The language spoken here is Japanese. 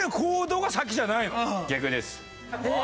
逆です。